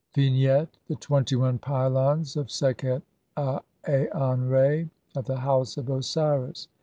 Vignette : The twenty one pylons of Sekhet Aanre of the House of Osiris.